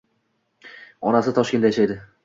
Onasi Toshkentda yashaydi